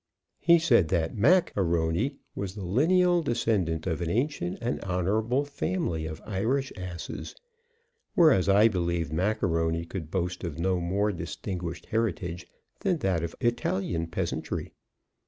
He said that Mac A'Rony was the lineal descendant of an ancient and honorable family of Irish asses; whereas, I believed Macaroni could boast of no more distinguished heritage than that of Italian peasantry.